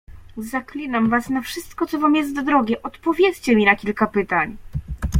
"Zaklinam was na wszystko, co wam jest drogie, odpowiedzcie mi na kilka pytań."